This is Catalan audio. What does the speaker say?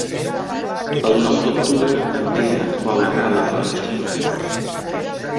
El nou d'octubre en Pere vol anar a la platja.